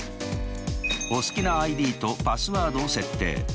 お好きなＩＤとパスワードを設定。